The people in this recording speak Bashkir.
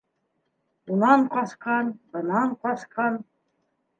Унан ҡасҡан, бынан ҡасҡан.